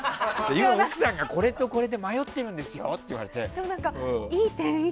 奥さんが、これとこれで迷ってるんですよって言われて。